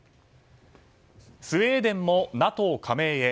スウェーデンもＮＡＴＯ加盟へ。